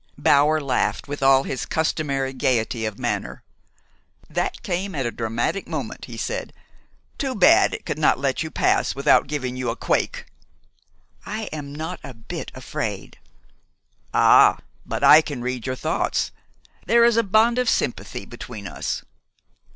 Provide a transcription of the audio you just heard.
Bower laughed, with all his customary gayety of manner. "That came at a dramatic moment," he said. "Too bad it could not let you pass without giving you a quake!" "I am not a bit afraid." "Ah, but I can read your thoughts. There is a bond of sympathy between us."